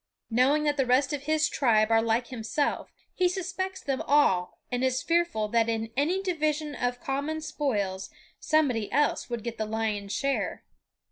Knowing that the rest of his tribe are like himself, he suspects them all and is fearful that in any division of common spoils somebody else would get the lion's share.